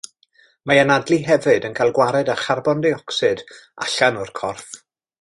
Mae anadlu hefyd yn cael gwared â charbon deuocsid allan o'r corff.